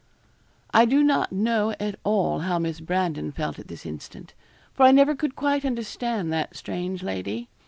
I do not know at all how Miss Brandon felt at this instant; for I never could quite understand that strange lady.